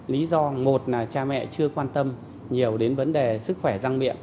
lý do một là cha mẹ chưa quan tâm nhiều đến vấn đề sức khỏe răng miệng